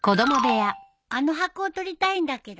あの箱を取りたいんだけど。